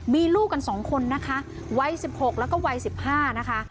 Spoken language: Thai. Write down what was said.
มีลูกกัน๒คนนะคะวัย๑๖แล้วก็วัย๑๕นะคะ